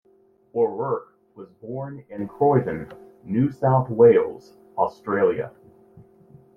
O'Rourke was born in Croydon, New South Wales, Australia.